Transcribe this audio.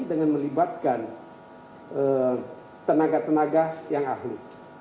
dengan melibatkan tenaga tenaga yang ahli